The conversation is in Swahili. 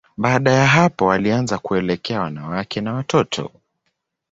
Baada ya hapo, walianza kuelekea wanawake na watoto.